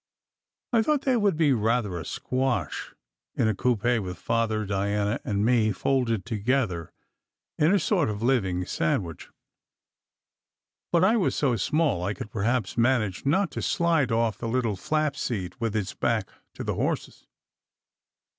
I thought there would be rather a squash in a coupe with Father, Diana, and me folded together in a sort of living sandwich; but I was so small, I could perhaps manage not to slide off the little flap seat with its back to the horses.